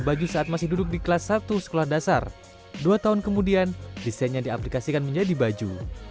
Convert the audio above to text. baju saat masih duduk di kelas satu sekolah dasar dua tahun kemudian desainnya diaplikasikan menjadi baju